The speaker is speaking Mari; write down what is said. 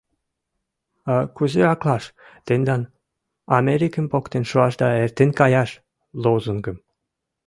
А кузе аклаш тендан «Америкым поктен шуаш да эртен каяш!» лозунгым?